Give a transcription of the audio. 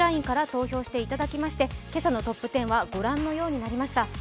ＬＩＮＥから投票していただきまして今朝のトップ１０は御覧のようになりました。